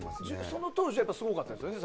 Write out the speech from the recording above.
その当時はすごかったんですよね？